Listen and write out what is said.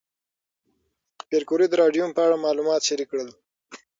پېیر کوري د راډیوم په اړه معلومات شریک کړل.